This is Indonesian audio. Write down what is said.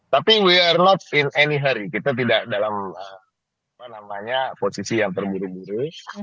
tapi kita tidak dalam posisi yang terburu buru